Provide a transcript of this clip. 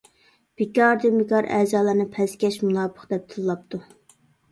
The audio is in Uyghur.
بىكاردىن بىكار ئەزالارنى پەسكەش مۇناپىق دەپ تىللاپتۇ.